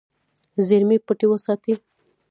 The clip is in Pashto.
زیرمې پټې وساتې.